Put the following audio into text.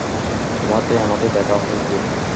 তােমাতে আমাতে দেখা হইবেই।